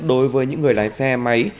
đối với những người lái xe máy